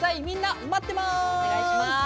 みんな待ってます！